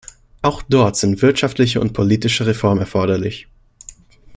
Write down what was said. Auch dort sind wirtschaftliche und politische Reformen erforderlich.